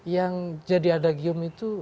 yang jadi adagium itu